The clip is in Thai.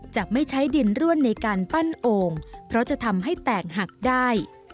จะไม่ใช้ดินร่วนในการปั้นโอ่งเพราะจะทำให้แตกหักได้